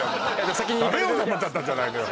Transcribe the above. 先にいかれる食べようと思っちゃったじゃないのよ